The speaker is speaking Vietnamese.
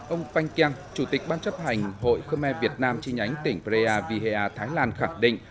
ông feng keng chủ tịch ban chấp hành hội khơ me việt nam chi nhánh tỉnh prea vihea thái lan khẳng định